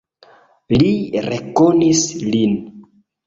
Li rekonis lin.